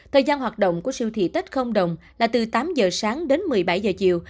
thời gian hoạt động của siêu thị tết không đồng là từ tám giờ sáng đến một mươi bảy giờ chiều